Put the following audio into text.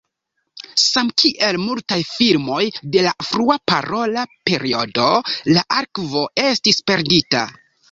Samkiel multaj filmoj de la frua parola periodo, la arkivo estis perdita.